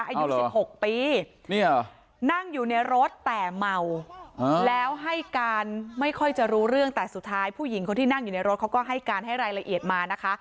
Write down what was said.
อายุ๑๖ปีนั่งอยู่ในรถแต่เมาแล้วให้การไม่ค่อยจะรู้เรื่องแต่สุดท้ายผู้หญิงคนที่นั่งอยู่ในรถเขาก็ให้การให้รายละเอียดมานะคะ